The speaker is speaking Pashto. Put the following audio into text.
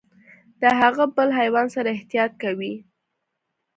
د هغه بل حیوان سره احتياط کوئ .